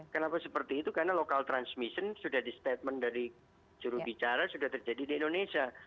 kenapa seperti itu karena local transmission sudah di statement dari jurubicara sudah terjadi di indonesia